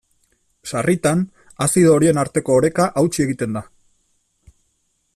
Sarritan, azido horien arteko oreka hautsi egiten da.